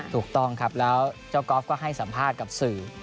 ถูกต้องครับแล้วเจ้ากอล์ฟก็ให้สัมภาษณ์กับสื่อ